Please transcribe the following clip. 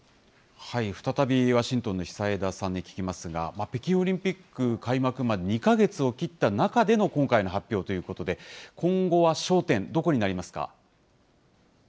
再び、ワシントンの久枝さんに聞きますが、北京オリンピック開幕まで２か月を切った中での今回の発表ということで、今後は焦点、どこになりますか。